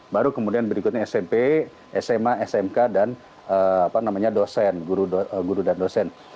baru kemudian berikutnya smp sma smk dan dosen guru dan dosen